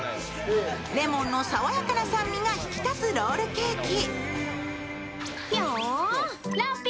レモンの爽やかな酸味が引き立つロールケーキ。